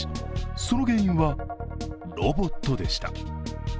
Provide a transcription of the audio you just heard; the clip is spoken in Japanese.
その原因はロボットでした。